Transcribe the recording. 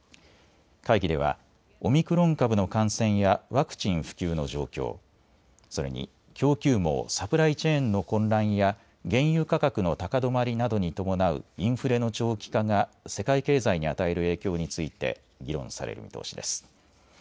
会議ではオミクロン株の感染やワクチン普及の状況、それに供給網・サプライチェーンの混乱や原油価格の高止まりなどに伴うインフレの長期化が世界経済に与える影響について議論される見通しです。